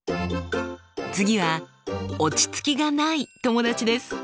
次は落ち着きがない友達です。